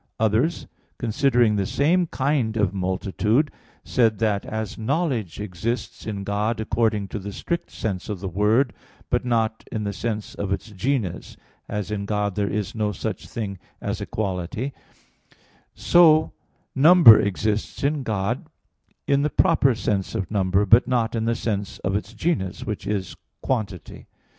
Others, considering the same kind of multitude, said that as knowledge exists in God according to the strict sense of the word, but not in the sense of its genus (as in God there is no such thing as a quality), so number exists in God in the proper sense of number, but not in the sense of its genus, which is quantity.